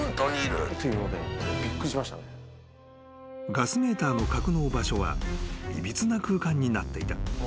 ［ガスメーターの格納場所はいびつな空間になっていた］